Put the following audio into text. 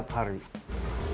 berhenti wisata setiap hari